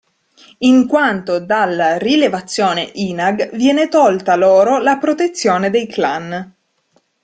In quanto, da Rilevazione INAG, viene tolta loro la protezione dei clan.